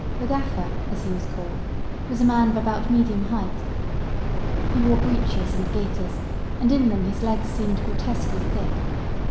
The Gaffer, as he was called, was a man of about medium height. He wore breeches and gaiters, and in them his legs seemed grotesquely thick.